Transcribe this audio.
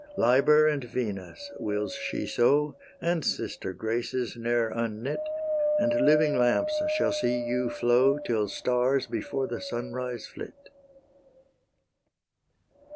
Liber and Venus, wills she so, And sister Graces, ne'er unknit, And living lamps shall see you flow Till stars before the sunrise flit.